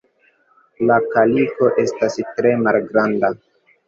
La kaliko estas tre malgranda.